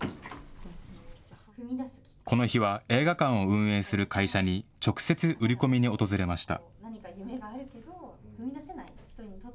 この日は映画館を運営する会社に直接売り込みに訪れました。